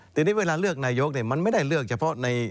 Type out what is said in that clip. ทีนี้เวลาเลือกนายกมันไม่ได้เลือกเฉพาะใน